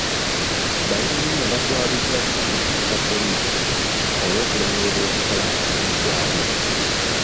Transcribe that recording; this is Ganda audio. Bayinginiya batwaliddwa mu kaduukulu ka poliisi olw'okulemererwa okukola omulimu gwaabwe.